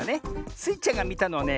スイちゃんがみたのはね